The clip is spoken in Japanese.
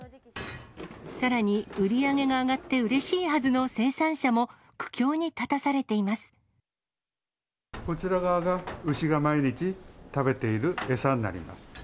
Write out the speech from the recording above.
さらに、売り上げが上がってうれしいはずの生産者も、苦境に立たされていこちら側が、牛が毎日食べている餌になります。